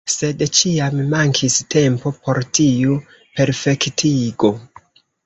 Sed ĉiam mankis tempo por tiu perfektigo.